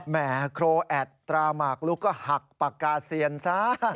แหมโครแอดตราหมากลุกก็หักปากกาเซียนซะ